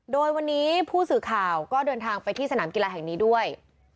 โดยวันนี้ผู้สื่อข่าวก็เดินทางไปที่สนามกีฬาแห่งนี้ด้วย